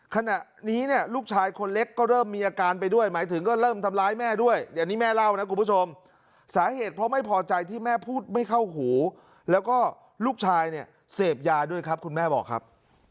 ขณะนี้เนี่ยลูกชายคนเล็กก็เริ่มมีอาการไปด้วยหมายถึงก็เริ่มทำร้ายแม่ด้วยอันนี้แม่เล่านะคุณผู้ชมสาเหตุเพราะไม่พอใจที่แม่พูดไม่เข้าหูแล้วก็ลูกชายเนี่ยเสพยาด้วยครับคุณแม่บอกครับ